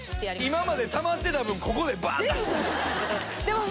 今までたまってた分ここで出したんや。